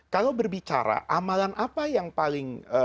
kalau berbicara amalan apa yang paling